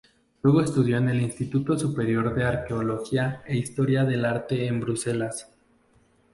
Luego estudió en el Instituto Superior de Arqueología e Historia del Arte en Bruselas.